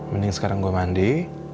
mending sekarang gue mandi